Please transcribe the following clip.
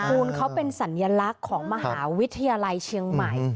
คุณเขาเป็นสัญลักษณ์ของมหาวิทยาลัยเชียงใหม่